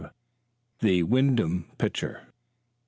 THE WYNDHAM PITCHER.